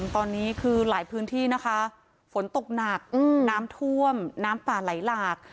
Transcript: ตอนนี้คือหลายพื้นที่นะคะฝนตกหนักน้ำท่วมน้ำป่าไหลหลาก